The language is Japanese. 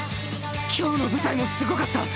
今日の舞台もすごかった。